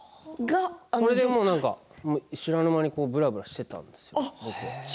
それで知らぬ間にぶらぶらしていたんです。